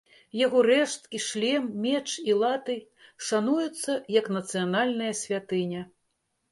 Яго рэшткі, шлем, меч і латы шануюцца як нацыянальная святыня.